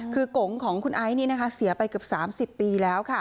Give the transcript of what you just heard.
คือกลงของคุณไอ้นี่นะคะเสียไปกับ๓๐ปีแล้วค่ะ